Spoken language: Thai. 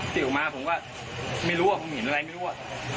ที่ออกมาผมก็ไม่รู้ว่าผมเห็นอะไรไม่รู้อะ